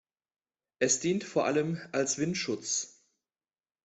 Es dient vor allem als Windschutz.